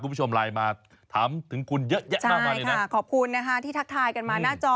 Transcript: คุณผู้ชมไลน์มาถามถึงคุณเยอะแยะมากมายเลยนะขอบคุณนะคะที่ทักทายกันมาหน้าจอ